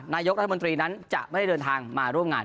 นายกรัฐมนตรีนั้นจะไม่ได้เดินทางมาร่วมงาน